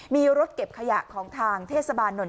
มีรถเก็บขยะของทางเทศบาลนนท